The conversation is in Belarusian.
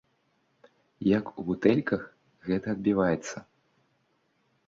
Як у бутэльках гэта адбіваецца?